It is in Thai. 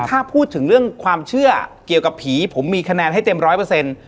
ถ้าพูดถึงเรื่องความเชื่อเกี่ยวกับผีผมมีคะแนนให้เต็มร้อยเปอร์เซ็นต์